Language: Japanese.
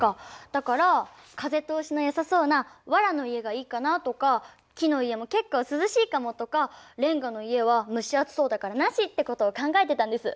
だから風通しのよさそうなわらの家がいいかなとか木の家も結構涼しいかもとかレンガの家は蒸し暑そうだからなしってことを考えてたんです。